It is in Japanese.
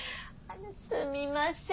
すみません。